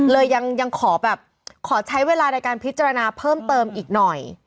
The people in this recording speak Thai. เลยยังขอแบบขอใช้เวลาในการพิจารณาเพิ่มเติมอีกหน่อย